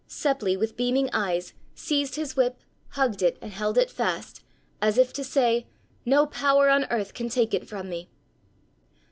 Seppli, with beaming eyes, seized his whip, hugged it and held it fast, as if to say: "No power on earth can take it from me!"